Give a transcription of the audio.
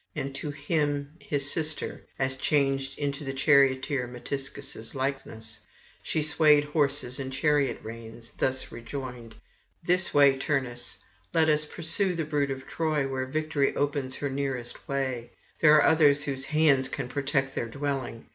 And to him his sister, as changed into his charioteer Metiscus' likeness she swayed horses and chariot reins, thus rejoined: 'This way, Turnus, let us pursue the brood of Troy, where victory opens her nearest way; there are others whose hands can protect their dwellings.